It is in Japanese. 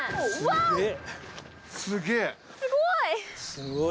すごい！